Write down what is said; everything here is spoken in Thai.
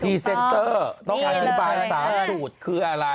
เซนเตอร์ต้องอธิบาย๓สูตรคืออะไร